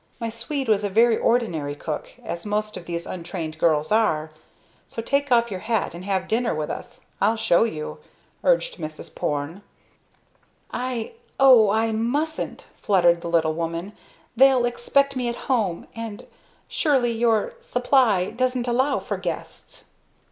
My Swede was a very ordinary cook, as most of these untrained girls are. Do take off your hat and have dinner with us, I'll show you," urged Mrs. Porne. "I O I mustn't," fluttered the little woman. "They'll expect me at home and surely your supply doesn't allow for guests?"